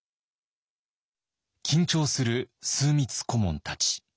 緊張する枢密顧問たち。